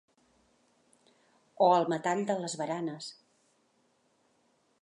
O el metall de les baranes.